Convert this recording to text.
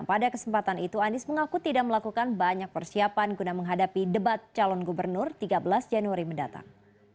pada kesempatan itu anies mengaku tidak melakukan banyak persiapan guna menghadapi debat calon gubernur tiga belas januari mendatang